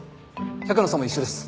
百野さんも一緒です。